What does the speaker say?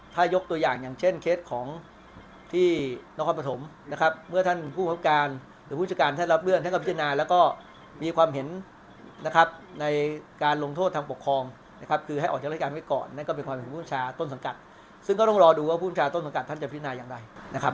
ถ้ายกตัวอย่างอย่างเช่นเคสของที่นครปฐมนะครับเมื่อท่านผู้คับการหรือผู้จัดการท่านรับเรื่องท่านก็พิจารณาแล้วก็มีความเห็นนะครับในการลงโทษทางปกครองนะครับคือให้ออกจากราชการไว้ก่อนนั่นก็เป็นความเห็นผู้ประชาต้นสังกัดซึ่งก็ต้องรอดูว่าภูมิชาต้นสังกัดท่านจะพินาอย่างไรนะครับ